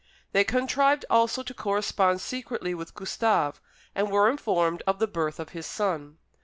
They contrived also to correspond secretly with Gustave, and were informed of the birth of his son.